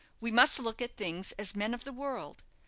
"We must look at things as men of the world.